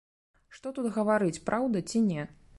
Што тут гаварыць, праўда ці не?